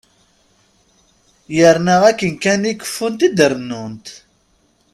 Yerna akken kan i keffunt i d-rennunt.